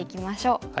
はい。